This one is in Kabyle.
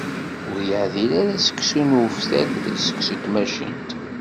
Ur yeɛdil ara seksu n uftal d seksu n tmacint.